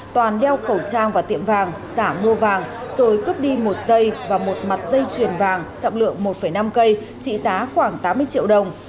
toàn đeo khẩu trang vào tiệm vàng giảm đua vàng rồi cướp đi một dây và một mặt dây chuyển vàng trọng lượng một năm cây trị giá khoảng tám mươi triệu đồng